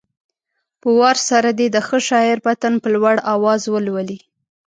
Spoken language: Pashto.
په وار سره دې د ښه شاعر متن په لوړ اواز ولولي.